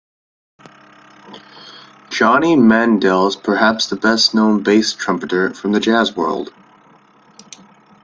Johnny Mandel is perhaps the best-known bass trumpeter from the jazz world.